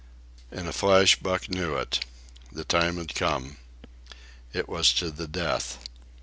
In a flash Buck knew it. The time had come. It was to the death.